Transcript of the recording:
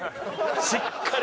しっかり！